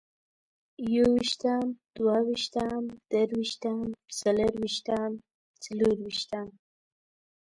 يوويشتم، دوه ويشتم، درويشتم، څلرويشتم، څلورويشتم